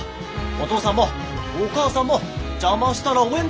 お義父さんもお義母さんも邪魔したらおえんでえ。